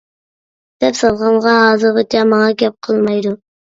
دەپ سالغانغا ھازىرغىچە ماڭا گەپ قىلمايدۇ.